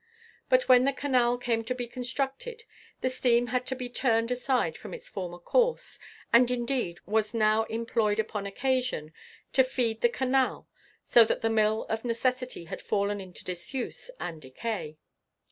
But when the canal came to be constructed, the stream had to be turned aside from its former course, and indeed was now employed upon occasion to feed the canal; so that the mill of necessity had fallen into disuse and decay.